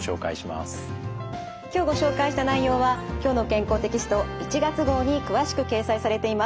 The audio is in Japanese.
今日ご紹介した内容は「きょうの健康」テキスト１月号に詳しく掲載されています。